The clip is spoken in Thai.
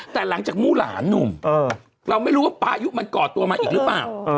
แต่หลังจากมู่หลานหนุ่มเราไม่รู้ว่าพายุมันก่อตัวมาอีกหรือเปล่า